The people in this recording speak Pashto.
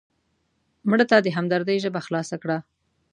مړه ته د همدردۍ ژبه خلاصه کړه